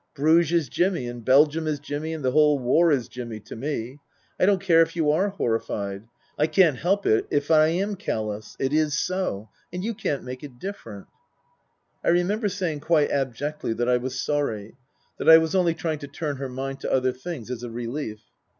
Bruges is Jimmy and Belgium is Jimmy and the whole war is Jimmy to me. I don't care if you are horrified. I can't help it if I am callous. It is so. And you can't make it different." I remember saying quite abjectly that I was sorry that I was only trying to turn her mind to other things as a relief.